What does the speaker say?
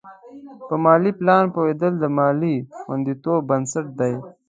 په مالي پلان پوهېدل د مالي خوندیتوب بنسټ دی.